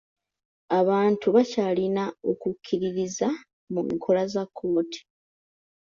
Abantu bakyalina okukiririza mu nkola za kkooti.